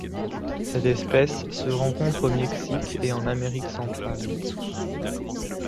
Cette espèce se rencontre au Mexique et en Amérique centrale.